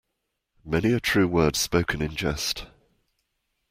Many a true word spoken in jest.